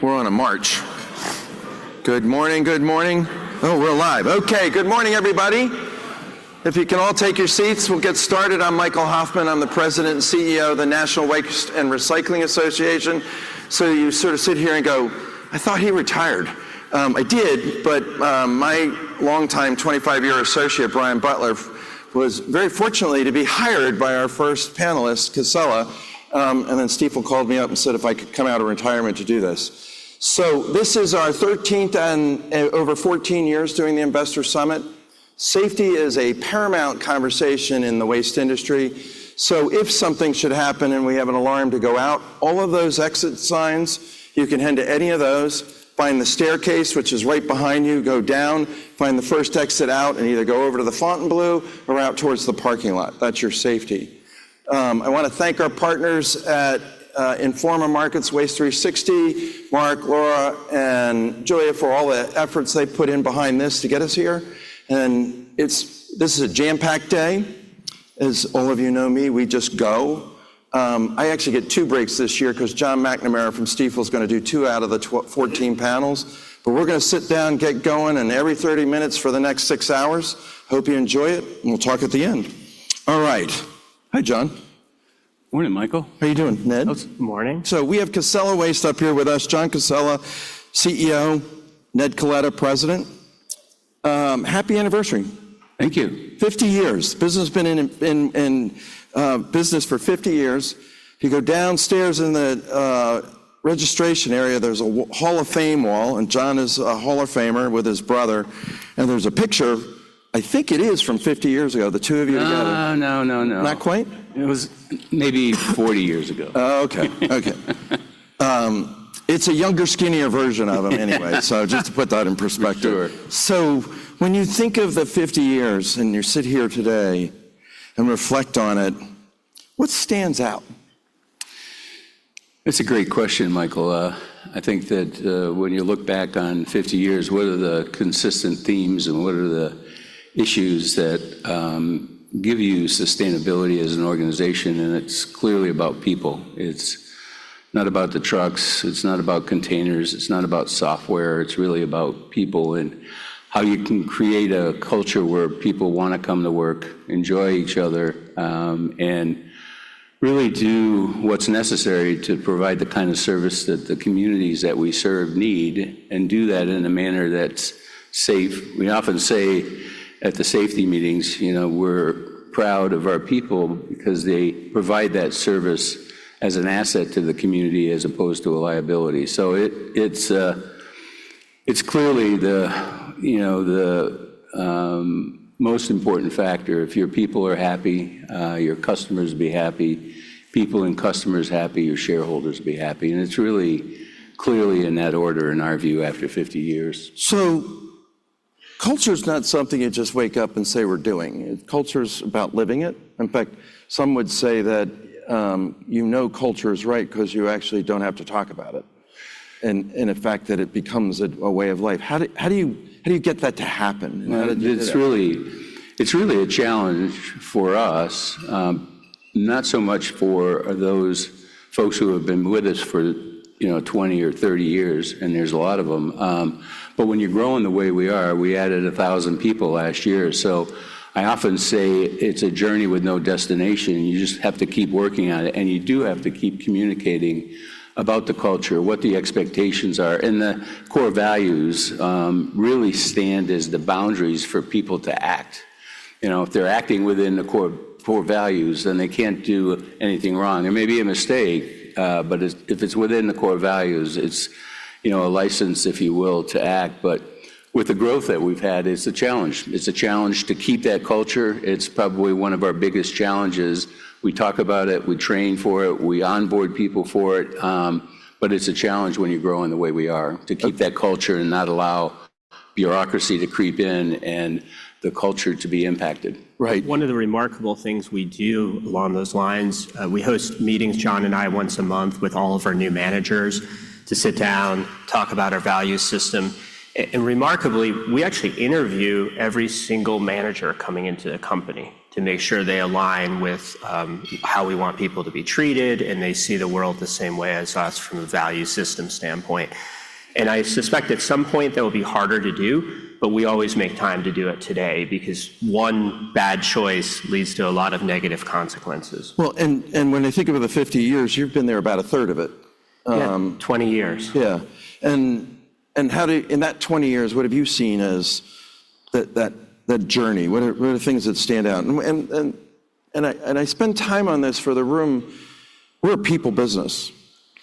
We're on a march. Good morning, good morning. Oh, we're live. Okay, good morning, everybody. If you can all take your seats, we'll get started. I'm Michael Hoffman. I'm the President and CEO of the National Waste and Recycling Association. You sort of sit here and go, "I thought he retired." I did, but my longtime 25-year associate, Brian Butler, was very fortunate to be hired by our first panelist, Casella. Then Steve called me up and said if I could come out of retirement to do this. This is our 13th and over 14 years doing the Investor Summit. Safety is a paramount conversation in the waste industry. If something should happen and we have an alarm to go out, all of those exit signs, you can head to any of those. Find the staircase, which is right behind you. Go down, find the first exit out, and either go over to the Fontainebleau or out towards the parking lot. That's your safety. I want to thank our partners at Informa Markets, Waste360, Mark, Laura, and Julia for all the efforts they put in behind this to get us here. This is a jam-packed day. As all of you know me, we just go. I actually get two breaks this year because John McNamara from Stifel was going to do two out of the 14 panels. We're going to sit down, get going, and every 30 minutes for the next six hours. Hope you enjoy it. We'll talk at the end. All right. Hi, John. Morning, Michael. How are you doing, Ned? Good morning. We have Casella Waste up here with us, John Casella, CEO, Ned Coletta, President. Happy anniversary. Thank you. 50 years. Business has been in business for 50 years. If you go downstairs in the registration area, there is a Hall of Fame wall, and John is a Hall of Famer with his brother. There is a picture, I think it is from 50 years ago, the two of you together. No, no, no, no. Not quite? It was maybe 40 years ago. Oh, okay. Okay. It's a younger, skinnier version of him anyway, so just to put that in perspective. That's true. When you think of the 50 years and you sit here today and reflect on it, what stands out? That's a great question, Michael. I think that when you look back on 50 years, what are the consistent themes and what are the issues that give you sustainability as an organization? It's clearly about people. It's not about the trucks. It's not about containers. It's not about software. It's really about people and how you can create a culture where people want to come to work, enjoy each other, and really do what's necessary to provide the kind of service that the communities that we serve need and do that in a manner that's safe. We often say at the safety meetings, we're proud of our people because they provide that service as an asset to the community as opposed to a liability. It's clearly the most important factor. If your people are happy, your customers be happy, people and customers happy, your shareholders be happy. It is really clearly in that order in our view after 50 years. Culture is not something you just wake up and say we're doing. Culture is about living it. In fact, some would say that you know culture is right because you actually don't have to talk about it. In fact, that it becomes a way of life. How do you get that to happen? It's really a challenge for us, not so much for those folks who have been with us for 20 or 30 years, and there's a lot of them. When you grow in the way we are, we added 1,000 people last year. I often say it's a journey with no destination. You just have to keep working on it. You do have to keep communicating about the culture, what the expectations are. The core values really stand as the boundaries for people to act. If they're acting within the core values, then they can't do anything wrong. There may be a mistake, but if it's within the core values, it's a license, if you will, to act. With the growth that we've had, it's a challenge. It's a challenge to keep that culture. It's probably one of our biggest challenges. We talk about it. We train for it. We onboard people for it. It is a challenge when you grow in the way we are to keep that culture and not allow bureaucracy to creep in and the culture to be impacted. Right. One of the remarkable things we do along those lines, we host meetings, John and I, once a month with all of our new managers to sit down, talk about our value system. Remarkably, we actually interview every single manager coming into the company to make sure they align with how we want people to be treated, and they see the world the same way as us from a value system standpoint. I suspect at some point that will be harder to do, but we always make time to do it today because one bad choice leads to a lot of negative consequences. When I think of the 50 years, you've been there about a third of it. Yeah, 20 years. Yeah. In that 20 years, what have you seen as that journey? What are the things that stand out? I spend time on this for the room. We're a people business.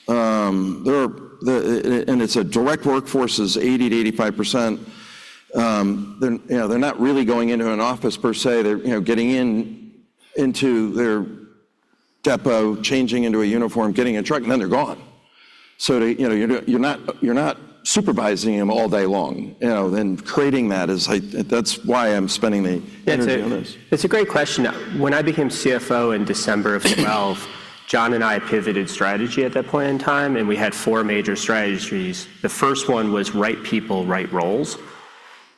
It's a direct workforce, 80% to 85%. They're not really going into an office per se. They're getting into their depot, changing into a uniform, getting a truck, and then they're gone. You're not supervising them all day long. Creating that is like that's why I'm spending the energy on this. It's a great question. When I became CFO in December of 2012, John and I pivoted strategy at that point in time, and we had four major strategies. The first one was right people, right roles.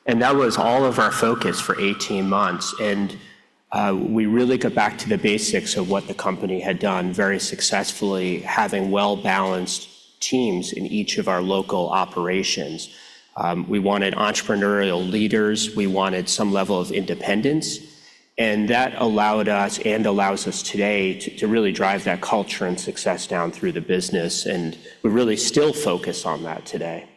That was all of our focus for 18 months. We really got back to the basics of what the company had done very successfully, having well-balanced teams in each of our local operations. We wanted entrepreneurial leaders. We wanted some level of independence. That allowed us and allows us today to really drive that culture and success down through the business. We really still focus on that today.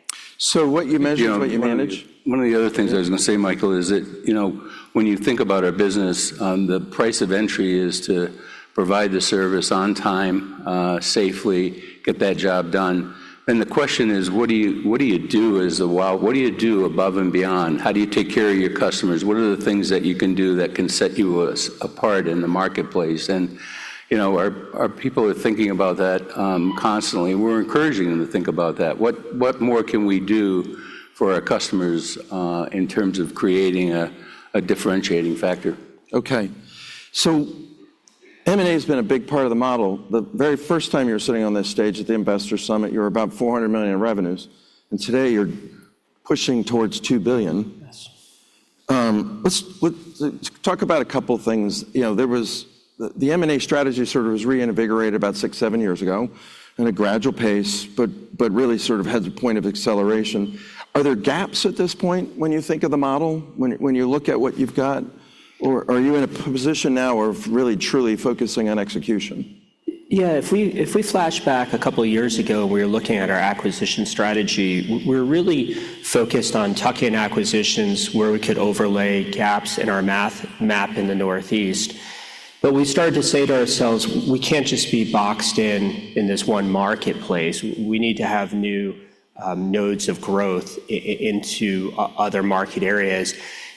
What you mentioned, what you manage. One of the other things I was going to say, Michael, is that when you think about our business, the price of entry is to provide the service on time, safely, get that job done. The question is, what do you do as a while? What do you do above and beyond? How do you take care of your customers? What are the things that you can do that can set you apart in the marketplace? Our people are thinking about that constantly. We're encouraging them to think about that. What more can we do for our customers in terms of creating a differentiating factor? Okay. M&A has been a big part of the model. The very first time you were sitting on this stage at the Investor Summit, you were about $400 million in revenues. And today you're pushing towards $2 billion. Talk about a couple of things. The M&A strategy sort of was reinvigorated about six, seven years ago at a gradual pace, but really sort of has a point of acceleration. Are there gaps at this point when you think of the model, when you look at what you've got? Or are you in a position now of really truly focusing on execution? Yeah. If we flashback a couple of years ago, we were looking at our acquisition strategy. We were really focused on tuck-in acquisitions where we could overlay gaps in our map in the Northeast. We started to say to ourselves, we can't just be boxed in in this one marketplace. We need to have new nodes of growth into other market areas.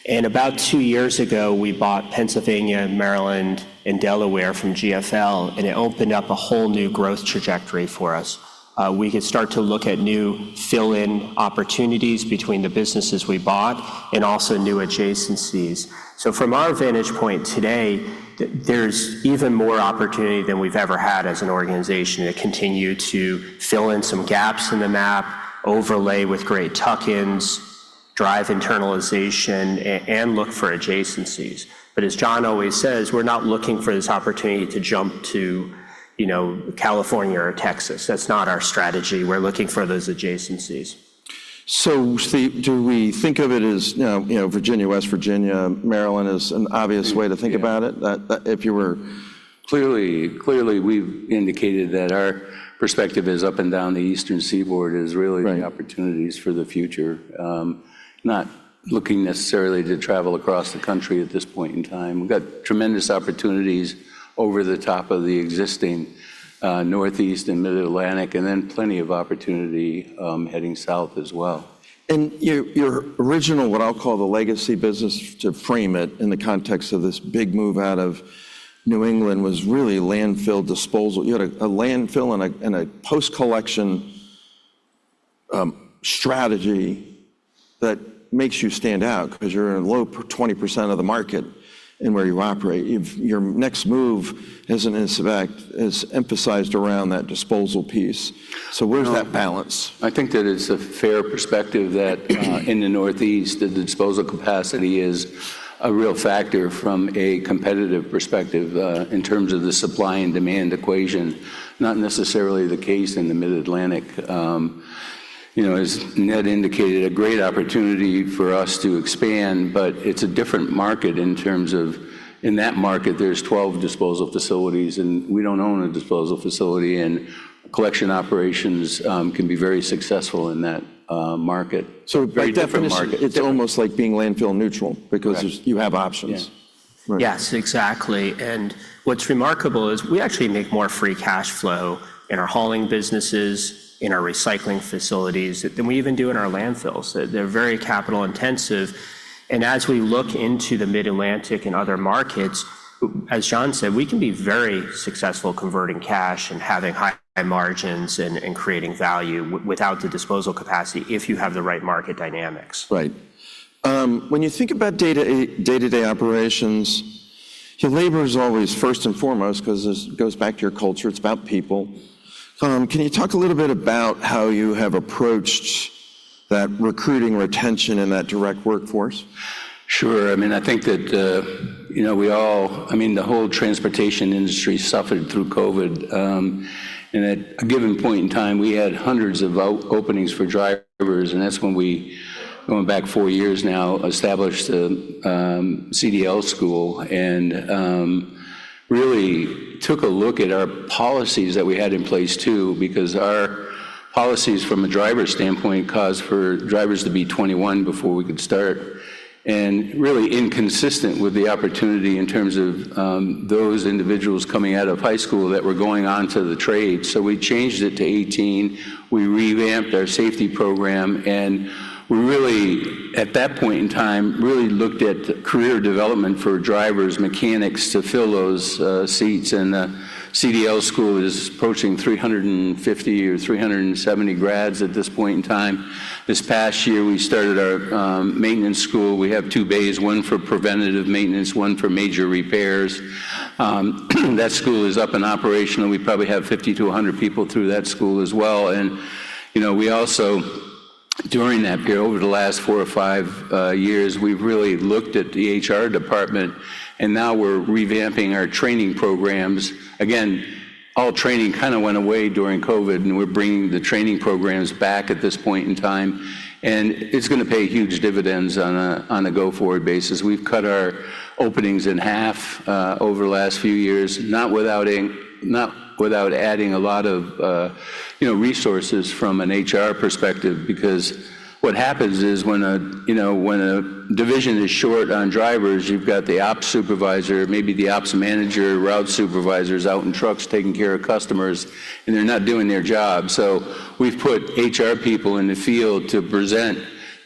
About two years ago, we bought Pennsylvania, Maryland, and Delaware from GFL, and it opened up a whole new growth trajectory for us. We could start to look at new fill-in opportunities between the businesses we bought and also new adjacencies. From our vantage point today, there's even more opportunity than we've ever had as an organization to continue to fill in some gaps in the map, overlay with great tuck-ins, drive internalization, and look for adjacencies. As John always says, we're not looking for this opportunity to jump to California or Texas. That's not our strategy. We're looking for those adjacencies. Do we think of it as Virginia, West Virginia, Maryland is an obvious way to think about it? If you were. Clearly, we've indicated that our perspective is up and down the Eastern Seaboard is really the opportunities for the future. Not looking necessarily to travel across the country at this point in time. We've got tremendous opportunities over the top of the existing Northeast and Mid-Atlantic, and then plenty of opportunity heading south as well. Your original, what I'll call the legacy business, to frame it in the context of this big move out of New England, was really landfill disposal. You had a landfill and a post-collection strategy that makes you stand out because you're in low 20% of the market in where you operate. Your next move as an [inaudible] is emphasized around that disposal piece. Where's that balance? I think that it's a fair perspective that in the Northeast, the disposal capacity is a real factor from a competitive perspective in terms of the supply and demand equation. Not necessarily the case in the Mid-Atlantic. As Ned indicated, a great opportunity for us to expand, but it's a different market in terms of in that market, there's 12 disposal facilities, and we don't own a disposal facility. Collection operations can be very successful in that market. It's almost like being landfill neutral because you have options. Yes, exactly. What's remarkable is we actually make more free cash flow in our hauling businesses, in our recycling facilities than we even do in our landfills. They're very capital intensive. As we look into the Mid-Atlantic and other markets, as John said, we can be very successful converting cash and having high margins and creating value without the disposal capacity if you have the right market dynamics. Right. When you think about day-to-day operations, labor is always first and foremost because it goes back to your culture. It's about people. Can you talk a little bit about how you have approached that recruiting retention and that direct workforce? Sure. I mean, I think that we all, I mean, the whole transportation industry suffered through COVID. At a given point in time, we had hundreds of openings for drivers. That is when we, going back four years now, established the CDL school and really took a look at our policies that we had in place too because our policies from a driver standpoint caused for drivers to be 21 years before we could start and really inconsistent with the opportunity in terms of those individuals coming out of high school that were going on to the trade. We changed it to 18 years. We revamped our safety program. We really, at that point in time, really looked at career development for drivers, mechanics to fill those seats. The CDL school is approaching 350 or 370 grads at this point in time. This past year, we started our maintenance school. We have two bays, one for preventative maintenance, one for major repairs. That school is up and operational. We probably have 50-100 people through that school as well. We also, during that period, over the last four or five years, we've really looked at the HR department. Now we're revamping our training programs. Again, all training kind of went away during COVID, and we're bringing the training programs back at this point in time. It's going to pay huge dividends on a go-forward basis. We've cut our openings in half over the last few years, not without adding a lot of resources from an HR perspective because what happens is when a division is short on drivers, you've got the ops supervisor, maybe the ops manager, route supervisors out in trucks taking care of customers, and they're not doing their job. We have put HR people in the field to present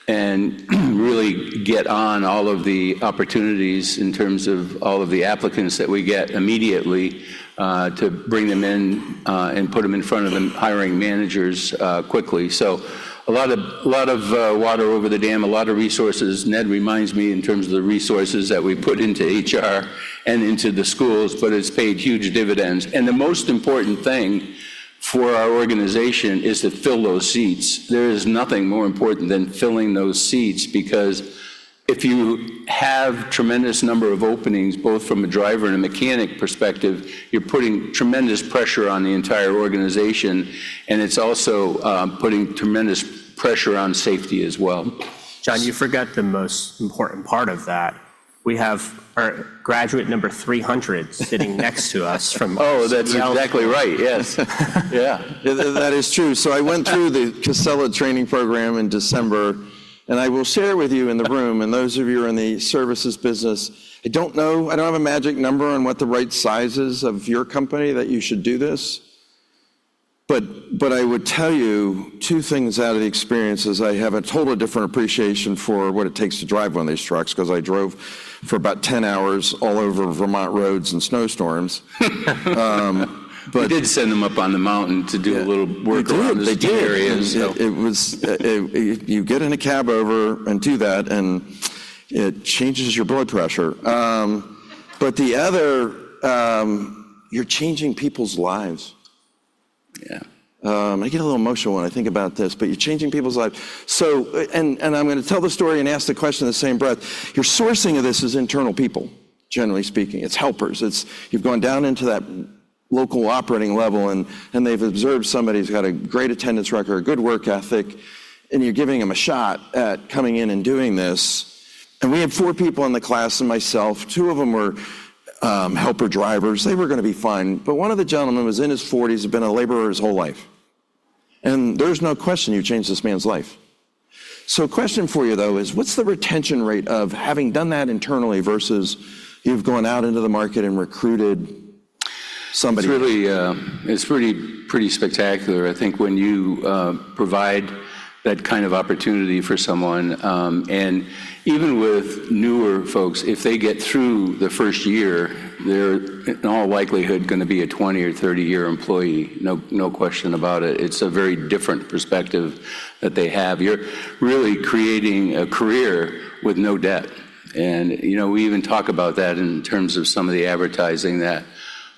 and really get on all of the opportunities in terms of all of the applicants that we get immediately to bring them in and put them in front of the hiring managers quickly. A lot of water over the dam, a lot of resources. Ned reminds me in terms of the resources that we put into HR and into the schools, but it's paid huge dividends. The most important thing for our organization is to fill those seats. There is nothing more important than filling those seats because if you have a tremendous number of openings, both from a driver and a mechanic perspective, you are putting tremendous pressure on the entire organization. It is also putting tremendous pressure on safety as well. John, you forgot the most important part of that. We have our graduate number 300 sitting next to us from. Oh, that's exactly right. Yes. Yeah. That is true. I went through the Casella training program in December. I will share with you in the room and those of you in the services business, I do not know, I do not have a magic number on what the right size is of your company that you should do this. I would tell you two things out of the experience is I have a totally different appreciation for what it takes to drive one of these trucks because I drove for about 10 hours all over Vermont roads in snowstorms. We did send them up on the mountain to do a little work on the area. You get in a cab over and do that, and it changes your blood pressure. The other, you're changing people's lives. Yeah. I get a little emotional when I think about this, but you're changing people's lives. I'm going to tell the story and ask the question in the same breath. Your sourcing of this is internal people, generally speaking. It's helpers. You've gone down into that local operating level, and they've observed somebody who's got a great attendance record, a good work ethic, and you're giving them a shot at coming in and doing this. We had four people in the class and myself. Two of them were helper drivers. They were going to be fine. One of the gentlemen was in his 40s, had been a laborer his whole life. There's no question you changed this man's life. The question for you, though, is what's the retention rate of having done that internally versus you've gone out into the market and recruited somebody? It's pretty spectacular. I think when you provide that kind of opportunity for someone, and even with newer folks, if they get through the first year, they're in all likelihood going to be a 20 or 30-year employee, no question about it. It's a very different perspective that they have. You're really creating a career with no debt. We even talk about that in terms of some of the advertising that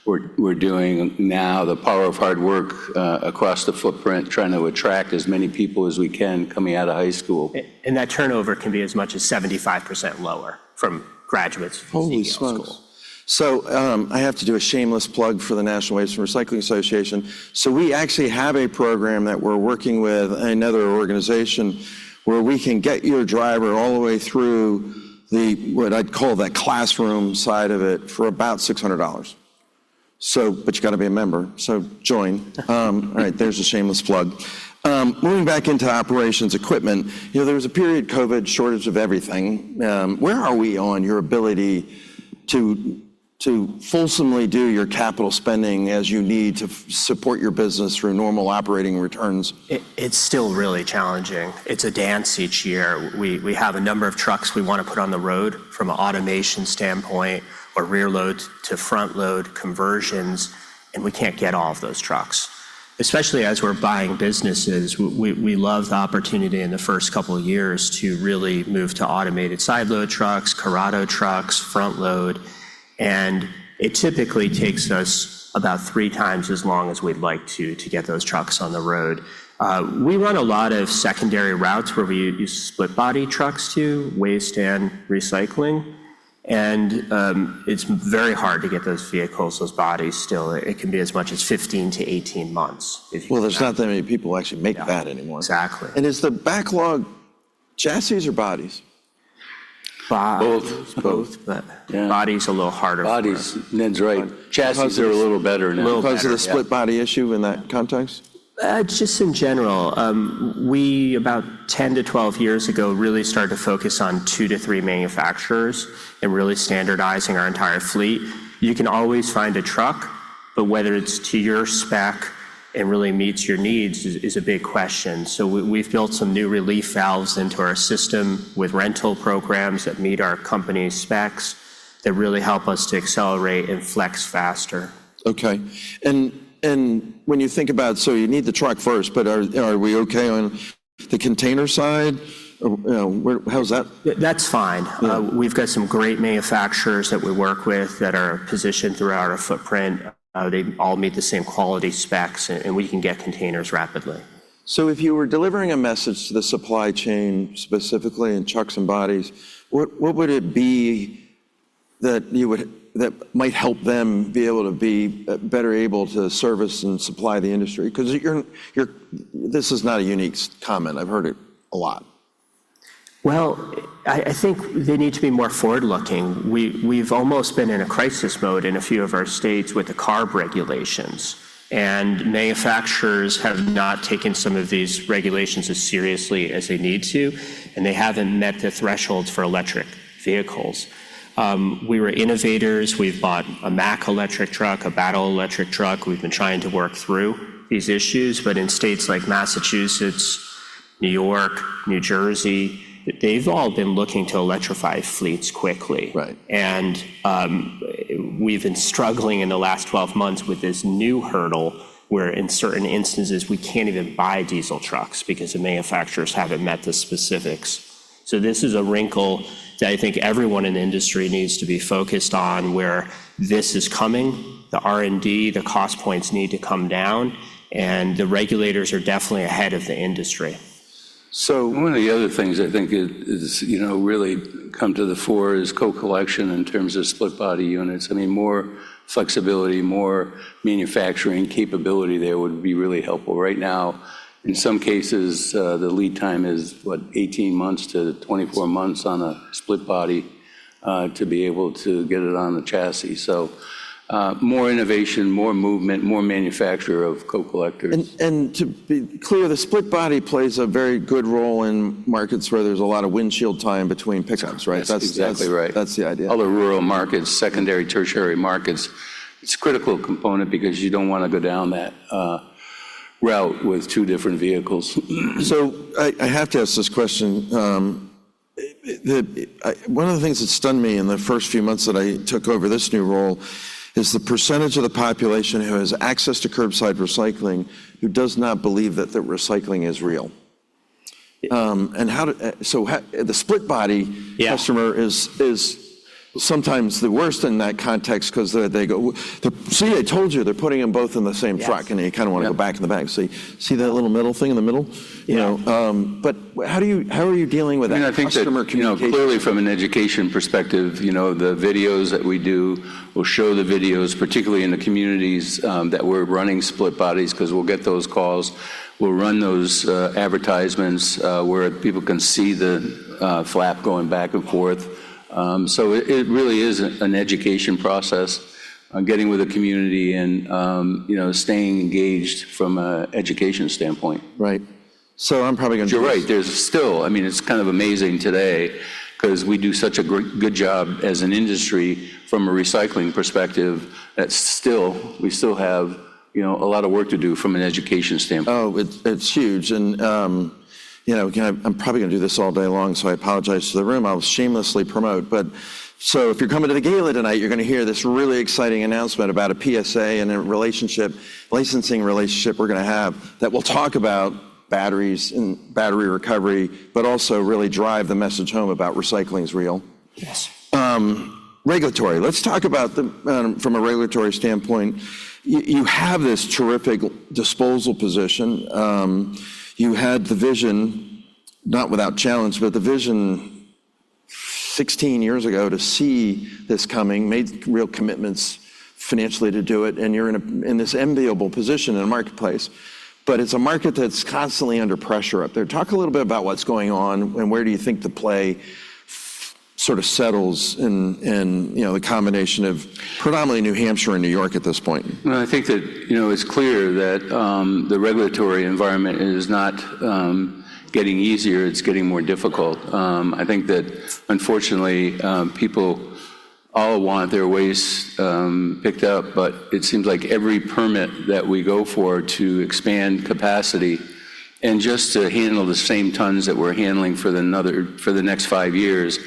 we're doing now, the power of hard work across the footprint, trying to attract as many people as we can coming out of high school. That turnover can be as much as 75% lower from graduates of the school. Holy smokes. I have to do a shameless plug for the National Waste and Recycling Association. We actually have a program that we're working with another organization where we can get your driver all the way through the, what I'd call that classroom side of it for about $600. You have to be a member. Join. All right, there's a shameless plug. Moving back into operations equipment. There was a period of COVID, shortage of everything. Where are we on your ability to fulsomely do your capital spending as you need to support your business through normal operating returns? It's still really challenging. It's a dance each year. We have a number of trucks we want to put on the road from an automation standpoint or rear load to front load conversions, and we can't get all of those trucks. Especially as we're buying businesses, we love the opportunity in the first couple of years to really move to automated side load trucks, Curotto trucks, front load. It typically takes us about three times as long as we'd like to get those trucks on the road. We run a lot of secondary routes where we use split body trucks to waste and recycling. It's very hard to get those vehicles, those bodies still. It can be as much as 15-18 months. There are not that many people actually make that anymore. Exactly. Is the backlog chassis or bodies? Both. Both. Bodies are a little harder. Bodies. Ned's right. Chassis are a little better. Because of the split body issue in that context? Just in general, we about 10 to 12 years ago really started to focus on two to three manufacturers and really standardizing our entire fleet. You can always find a truck, but whether it's to your spec and really meets your needs is a big question. We have built some new relief valves into our system with rental programs that meet our company specs that really help us to accelerate and flex faster. Okay. When you think about, you need the truck first, but are we okay on the container side? How's that? That's fine. We've got some great manufacturers that we work with that are positioned throughout our footprint. They all meet the same quality specs, and we can get containers rapidly. If you were delivering a message to the supply chain specifically in trucks and bodies, what would it be that might help them be able to be better able to service and supply the industry? Because this is not a unique comment. I've heard it a lot. I think they need to be more forward-looking. We've almost been in a crisis mode in a few of our states with the CARB regulations. Manufacturers have not taken some of these regulations as seriously as they need to, and they haven't met the thresholds for electric vehicles. We were innovators. We've bought a Mack electric truck, a Battle electric truck. We've been trying to work through these issues. In states like Massachusetts, New York, New Jersey, they've all been looking to electrify fleets quickly. We've been struggling in the last 12 months with this new hurdle where in certain instances, we can't even buy diesel trucks because the manufacturers haven't met the specifics. This is a wrinkle that I think everyone in the industry needs to be focused on where this is coming. The R&D, the cost points need to come down, and the regulators are definitely ahead of the industry. One of the other things I think has really come to the fore is co-collection in terms of split body units. I mean, more flexibility, more manufacturing capability there would be really helpful. Right now, in some cases, the lead time is, what, 18 months to 24 months on a split body to be able to get it on the chassis. More innovation, more movement, more manufacturer of co-collectors. To be clear, the split body plays a very good role in markets where there's a lot of windshield time between pickups, right? That's exactly right. That's the idea. Other rural markets, secondary, tertiary markets. It's a critical component because you don't want to go down that route with two different vehicles. I have to ask this question. One of the things that stunned me in the first few months that I took over this new role is the percentage of the population who has access to curbside recycling who does not believe that the recycling is real. The split body customer is sometimes the worst in that context because they go, "See, I told you they're putting them both in the same truck," and they kind of want to go back in the back and say, "See that little metal thing in the middle?" How are you dealing with that? I mean, I think clearly from an education perspective, the videos that we do, we'll show the videos, particularly in the communities that we're running split bodies because we'll get those calls. We'll run those advertisements where people can see the flap going back and forth. It really is an education process on getting with the community and staying engaged from an education standpoint. Right. I'm probably going to. You're right. There's still, I mean, it's kind of amazing today because we do such a good job as an industry from a recycling perspective that still we still have a lot of work to do from an education standpoint. Oh, it's huge. I'm probably going to do this all day long, so I apologize to the room. I'll shamelessly promote. If you're coming to the gala tonight, you're going to hear this really exciting announcement about a PSA and a licensing relationship we're going to have that will talk about batteries and battery recovery, but also really drive the message home about recycling is real. Yes. Regulatory. Let's talk about from a regulatory standpoint. You have this terrific disposal position. You had the vision, not without challenge, but the vision 16 years ago to see this coming, made real commitments financially to do it. You are in this enviable position in a marketplace. It is a market that is constantly under pressure up there. Talk a little bit about what is going on and where do you think the play sort of settles in the combination of predominantly New Hampshire and New York at this point. I think that it's clear that the regulatory environment is not getting easier. It's getting more difficult. I think that, unfortunately, people all want their waste picked up, but it seems like every permit that we go for to expand capacity and just to handle the same tons that we're handling for the next five years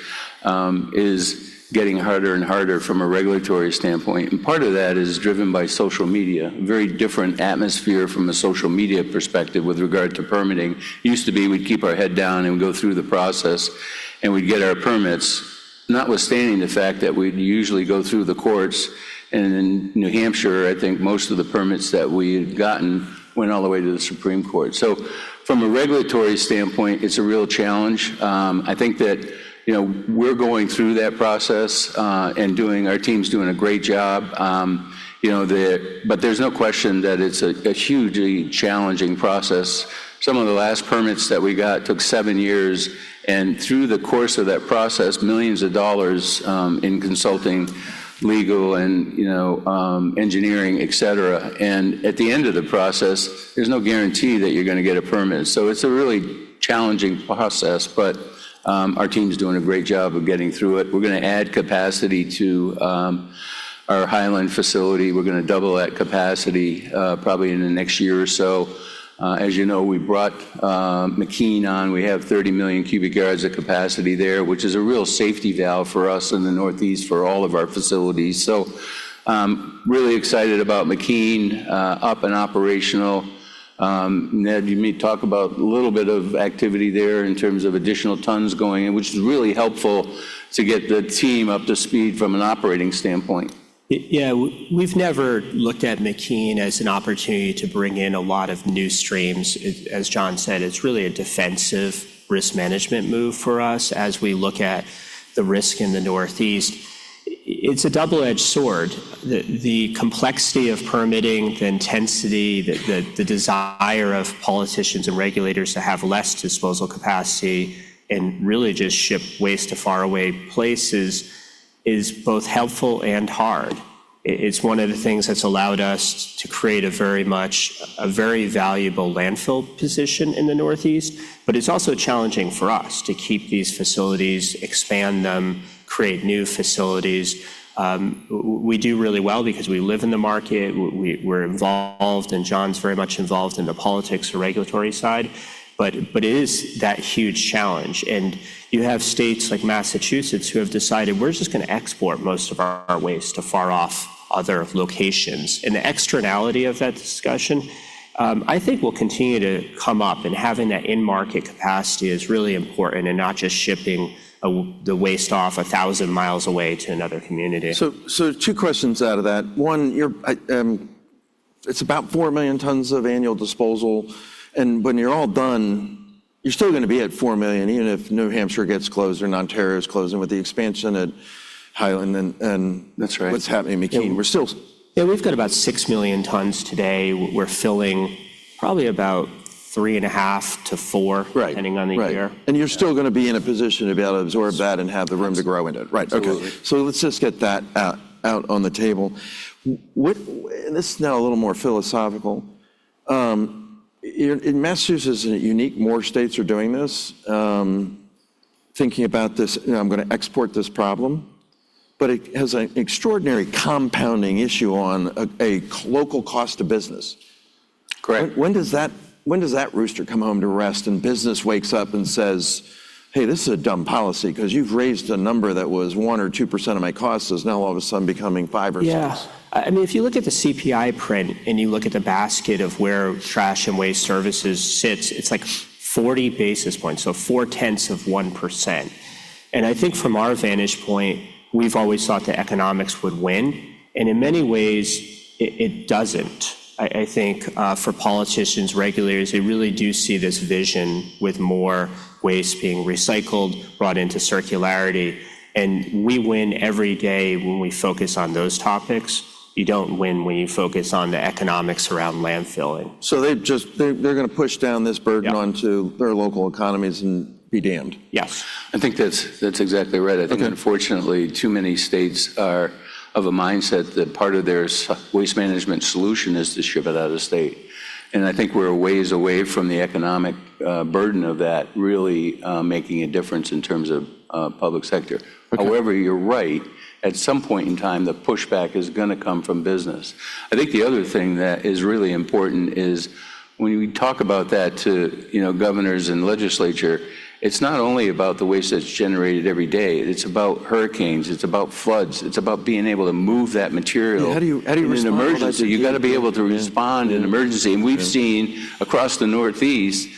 is getting harder and harder from a regulatory standpoint. Part of that is driven by social media, a very different atmosphere from a social media perspective with regard to permitting. It used to be we'd keep our head down and go through the process and we'd get our permits, notwithstanding the fact that we'd usually go through the courts. In New Hampshire, I think most of the permits that we had gotten went all the way to the Supreme Court. From a regulatory standpoint, it's a real challenge. I think that we're going through that process and our team's doing a great job. There's no question that it's a hugely challenging process. Some of the last permits that we got took seven years. Through the course of that process, millions of dollars in consulting, legal, and engineering, etc. At the end of the process, there's no guarantee that you're going to get a permit. It's a really challenging process, but our team's doing a great job of getting through it. We're going to add capacity to our Hyland facility. We're going to double that capacity probably in the next year or so. As you know, we brought McKean on. We have 30 million cubic yards of capacity there, which is a real safety valve for us in the Northeast for all of our facilities. Really excited about McKean up and operational. Ned, you may talk about a little bit of activity there in terms of additional tons going in, which is really helpful to get the team up to speed from an operating standpoint. Yeah. We've never looked at McKean as an opportunity to bring in a lot of new streams. As John said, it's really a defensive risk management move for us as we look at the risk in the Northeast. It's a double-edged sword. The complexity of permitting, the intensity, the desire of politicians and regulators to have less disposal capacity and really just ship waste to faraway places is both helpful and hard. It's one of the things that's allowed us to create a very valuable landfill position in the Northeast, but it's also challenging for us to keep these facilities, expand them, create new facilities. We do really well because we live in the market. We're involved, and John's very much involved in the politics and regulatory side. It is that huge challenge. You have states like Massachusetts who have decided, "We're just going to export most of our waste to far-off other locations." The externality of that discussion, I think, will continue to come up. Having that in-market capacity is really important and not just shipping the waste off 1,000 miles away to another community. Two questions out of that. One, it's about 4 million tons of annual disposal. When you're all done, you're still going to be at 4 million, even if New Hampshire gets closed or Ontario is closed and with the expansion at Ontario and what's happening in McKean. Yeah, we've got about 6 million tons today. We're filling probably about 3.5-4, depending on the year. Right. You are still going to be in a position to be able to absorb that and have the room to grow into it. Absolutely. Right. Okay. Let's just get that out on the table. This is now a little more philosophical. Massachusetts is unique. More states are doing this. Thinking about this, I'm going to export this problem, but it has an extraordinary compounding issue on a local cost of business. When does that rooster come home to rest and business wakes up and says, "Hey, this is a dumb policy because you've raised a number that was 1% or 2% of my costs, is now all of a sudden becoming 5% or 6%" Yeah. I mean, if you look at the CPI print and you look at the basket of where trash and waste services sits, it's like 40 basis points, so 4/10 of 1%. I think from our vantage point, we've always thought the economics would win. In many ways, it doesn't. I think for politicians, regulators, they really do see this vision with more waste being recycled, brought into circularity. We win every day when we focus on those topics. You don't win when you focus on the economics around landfilling. They're going to push down this burden onto their local economies and be damned. Yes. I think that's exactly right. I think, unfortunately, too many states are of a mindset that part of their waste management solution is to ship it out of state. I think we're a ways away from the economic burden of that really making a difference in terms of public sector. However, you're right. At some point in time, the pushback is going to come from business. I think the other thing that is really important is when we talk about that to governors and legislature, it's not only about the waste that's generated every day. It's about hurricanes. It's about floods. It's about being able to move that material. How do you respond? You've got to be able to respond in emergency. We've seen across the Northeast,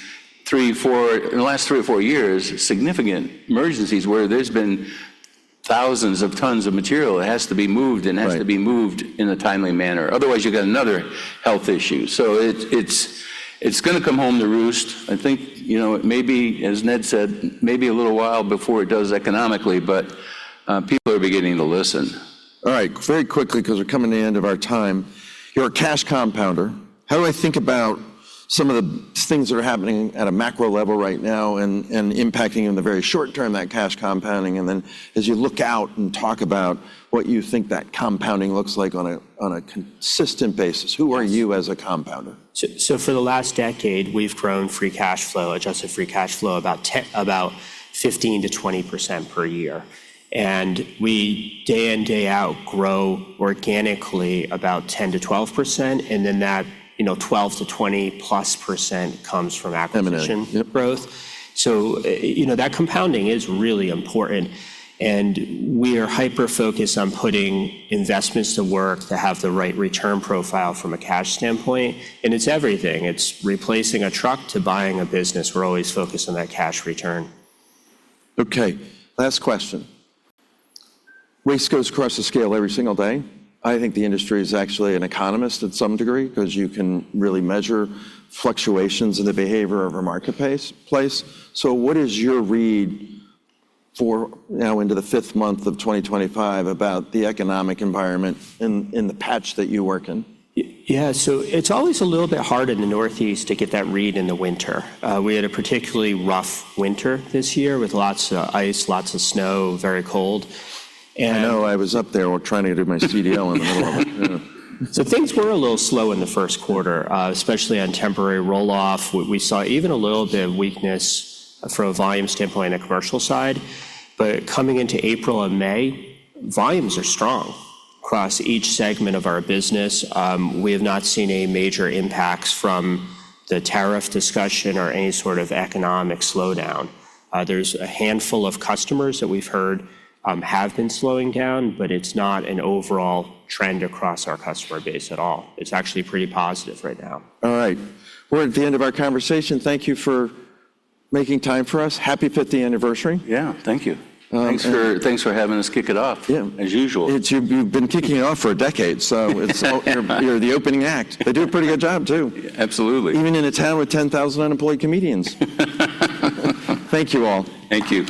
in the last three or four years, significant emergencies where there's been thousands of tons of material that has to be moved and has to be moved in a timely manner. Otherwise, you've got another health issue. It's going to come home to roost. I think, maybe, as Ned said, maybe a little while before it does economically, but people are beginning to listen. All right. Very quickly, because we're coming to the end of our time, you're a cash compounder. How do I think about some of the things that are happening at a macro level right now and impacting in the very short term that cash compounding? As you look out and talk about what you think that compounding looks like on a consistent basis, who are you as a compounder? For the last decade, we've grown free cash flow, adjusted free cash flow, about 15%-20% per year. We day in, day out grow organically about 10%-12%. That 12%-20% plus comes from acquisition growth. That compounding is really important. We are hyper-focused on putting investments to work to have the right return profile from a cash standpoint. It's everything. It's replacing a truck to buying a business. We're always focused on that cash return. Okay. Last question. Race goes across the scale every single day. I think the industry is actually an economist to some degree because you can really measure fluctuations in the behavior of a marketplace. What is your read for now into the fifth month of 2025 about the economic environment in the patch that you work in? Yeah. It is always a little bit hard in the Northeast to get that read in the winter. We had a particularly rough winter this year with lots of ice, lots of snow, very cold. I know I was up there trying to do my CDL in the middle of it. Things were a little slow in the first quarter, especially on temporary roll-off. We saw even a little bit of weakness from a volume standpoint on the commercial side. Coming into April and May, volumes are strong across each segment of our business. We have not seen any major impacts from the tariff discussion or any sort of economic slowdown. There is a handful of customers that we've heard have been slowing down, but it's not an overall trend across our customer base at all. It's actually pretty positive right now. All right. We're at the end of our conversation. Thank you for making time for us. Happy 50th anniversary. Yeah. Thank you. Thanks for having us kick it off, as usual. You've been kicking it off for a decade. You're the opening act. They do a pretty good job too. Absolutely. Even in a town with 10,000 unemployed comedians. Thank you all. Thank you.